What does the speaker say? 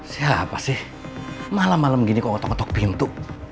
siapa sih malam malam gini kok ngetok ngetok pintu